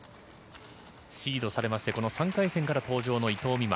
シードがあり、この３回戦から登場の伊藤美誠。